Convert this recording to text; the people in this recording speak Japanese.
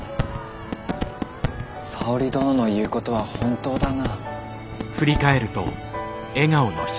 沙織殿の言うことは本当だな。